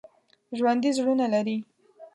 ژوندي زړونه لري